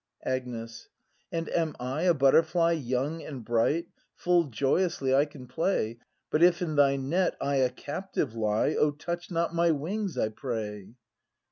Agnes. And am I a butterfly young and bright. Full joyously I can play, But if in thy net I a captive lie Oh, touch not my wings, I pray!